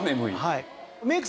はい。